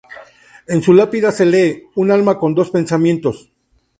En su lápida se lee: "Un alma con dos pensamientos.